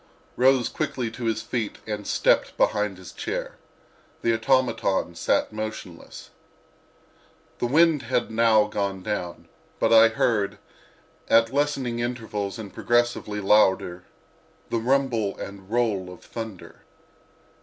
rose quickly to his feet and stepped behind his chair. The automaton sat motionless. The wind had now gone down, but I heard, at lessening intervals and progressively louder, the rumble and roll of thunder.